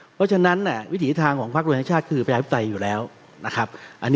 เพราะฉะนั้นวิถีทางของภักษ์โรงไทยสร้างชาติคือพระยาวิทยาลัยอยู่แล้วนะครับ